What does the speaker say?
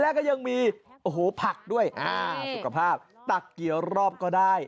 แล้วก็ยังมีโอ้โหผักด้วยสุขภาพตักกี่รอบก็ได้